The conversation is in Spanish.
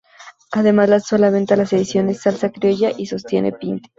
Además, lanzó a la venta las ediciones "Salsa criolla" y "Sostiene Pinti".